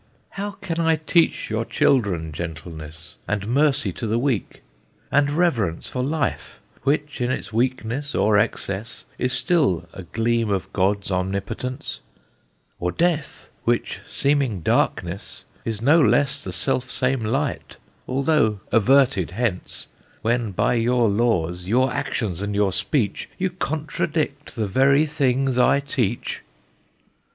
"How can I teach your children gentleness, And mercy to the weak, and reverence For Life, which, in its weakness or excess, Is still a gleam of God's omnipotence, Or Death, which, seeming darkness, is no less The selfsame light, although averted hence, When by your laws, your actions, and your speech, You contradict the very things I teach?"